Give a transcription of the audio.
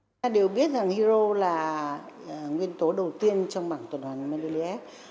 chúng ta đều biết rằng hero là nguyên tố đầu tiên trong bảng tổn hợp mnlf